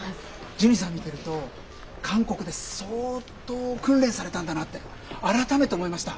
ジュニさん見てると韓国で相当訓練されたんだなって改めて思いました。